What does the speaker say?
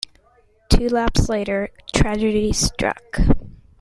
Two laps later, tragedy struck.